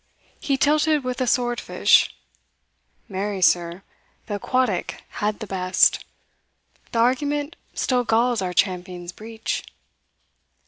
He tilted with a sword fish Marry, sir, Th' aquatic had the best the argument Still galls our champion's breech.